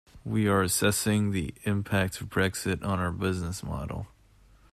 We are assessing the impact of Brexit on our business model.